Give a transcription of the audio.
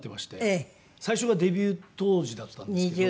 最初がデビュー当時だったんですけど。